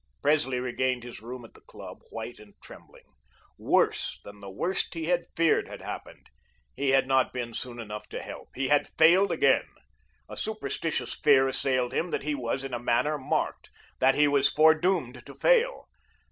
Presley regained his room at the club, white and trembling. Worse than the worst he had feared had happened. He had not been soon enough to help. He had failed again. A superstitious fear assailed him that he was, in a manner, marked; that he was foredoomed to fail.